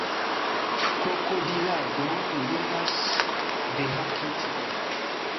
Krokodilado, mi devas dehaki tion!